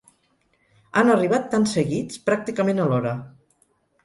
Han arribat tan seguits, pràcticament alhora.